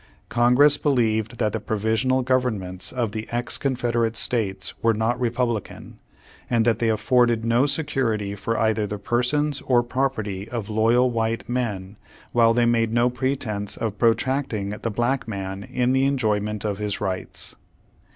Congress believed that the provisional governments of the ex Con federate States were not Republican, and that they afforded no security for either the persons or property of loyal white men, while they made no pretense of protracting the black man in the en joyment of his rights.